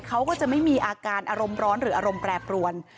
เขาก็จะไม่มีอาการอารมณ์ร้อนหรืออารมณ์แปรปรวน